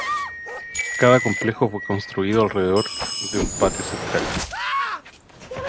Cada complejo fue construido alrededor de un patio central.